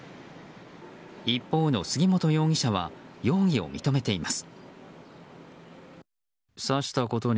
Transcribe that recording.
一方の杉本容疑者は容疑を認めています。